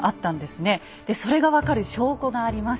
それが分かる証拠があります。